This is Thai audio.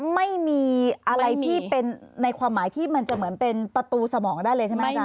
ไม่มีอะไรที่เป็นในความหมายที่มันจะเหมือนเป็นประตูสมองได้เลยใช่ไหมอาจาร